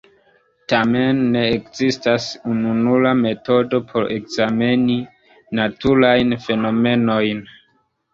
Tamen, ne ekzistas ununura metodo por ekzameni naturajn fenomenojn.